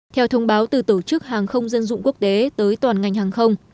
theo thông báo từ tổ chức hàng không dân dụng quốc tế tới toàn ngành hàng không